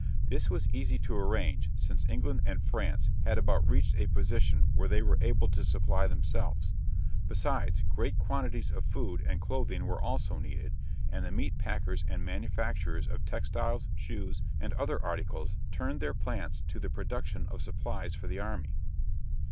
This was easy to arrange, since England and France had about reached a position where they were able to supply themselves. Besides, great quantities of food and clothing were also needed, and the meat packers and the manufacturers of textiles, shoes, and other articles turned their plants to the production of supplies for the army.